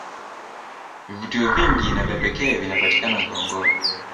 vvivutio vingi na vya kipekee vinapatikana ngorongoro